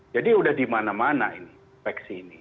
jadi sudah di mana mana infeksi ini